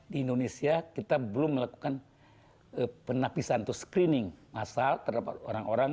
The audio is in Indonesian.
di indonesia kita belum melakukan penapisan atau screening asal terhadap orang orang